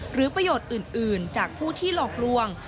หรือประโยชน์อื่นจากผู้ที่หลอกลวง